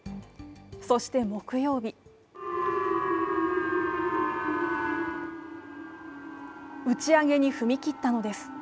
そして木曜日打ち上げに踏み切ったのです。